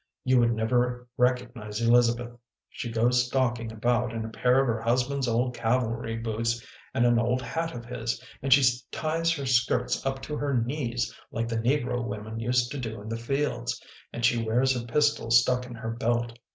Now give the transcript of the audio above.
You would never recognize Elizabeth. She goes stalking about in a pair of her husband s old cavalry boots and an old hat of his, and she ties her skirts up to her knees like the negro women used to do in the fields; and she wears a pistol stuck in her belt.